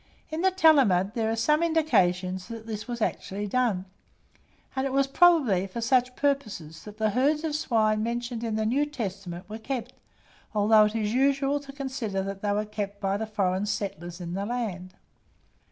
In the Talmud there are some indications that this was actually done; and it was, probably, for such purposes that the herds of swine mentioned in the New Testament were kept, although it is usual to consider that they were kept by the foreign settlers in the land.